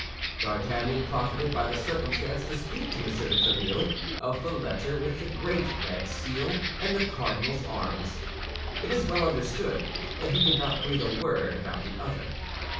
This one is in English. D'Artagnan profited by the circumstance to speak to M. de Tréville of the letter with the great red seal and the cardinal's arms. It is well understood that he did not breathe a word about the other.